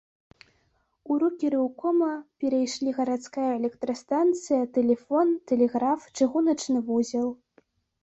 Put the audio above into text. У рукі рэўкома перайшлі гарадская электрастанцыя, тэлефон, тэлеграф, чыгуначны вузел.